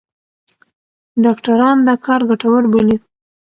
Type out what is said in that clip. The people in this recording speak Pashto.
ډاکټران دا کار ګټور بولي.